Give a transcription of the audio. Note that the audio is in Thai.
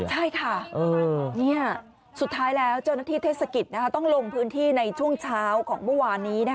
ใช่ค่ะสุดท้ายแล้วเจ้าหน้าที่เทศกิจต้องลงพื้นที่ในช่วงเช้าของเมื่อวานนี้